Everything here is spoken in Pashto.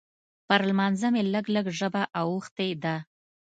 پر لمانځه مې لږ لږ ژبه اوښتې ده.